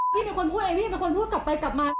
พี่เป็นคนพูดอะไรพี่เป็นคนพูดกลับไปกลับมา